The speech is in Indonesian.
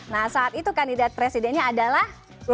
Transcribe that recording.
nah saat itu kandidat presidennya adalah